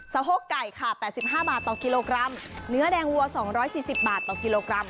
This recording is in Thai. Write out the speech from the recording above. โพกไก่ค่ะ๘๕บาทต่อกิโลกรัมเนื้อแดงวัว๒๔๐บาทต่อกิโลกรัม